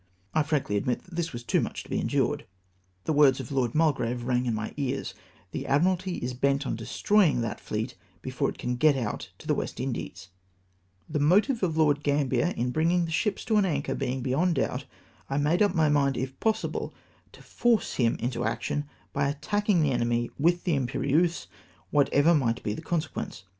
I frankly admit that this was too much to be endured. The words of Lord Mulgrave rang in my ears, " llie Admiralty is lent on destroying that fleet before it can get out to the West Indies^ The motive of Lord Gambler in bringing the ships to an anchor being beyond doubt, I made up my mind, if possible, to force him into action by attacldng the enemy with the Imperieuse, whatever might be the consequence.